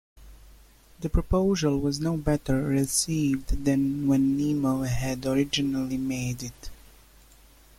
The proposal was no better received than when Nimmo had originally made it.